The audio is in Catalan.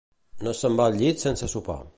No se'n va al llit sense sopar.